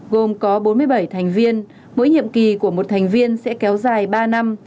gồm có bốn mươi bảy thành viên mỗi nhiệm kỳ của một thành viên sẽ kéo dài ba năm